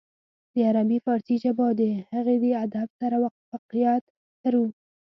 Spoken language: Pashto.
د عربي فارسي ژبو او د هغې د ادب سره واقفيت لرلو